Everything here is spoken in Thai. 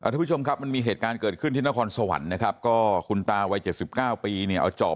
ทุกผู้ชมครับมันมีเหตุการณ์เกิดขึ้นที่นครสวรรค์นะครับก็คุณตาวัย๗๙ปีเนี่ยเอาจอบ